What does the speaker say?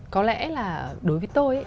có lẽ là đối với tôi ấy